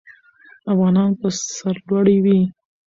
افغانان به سرلوړي وي.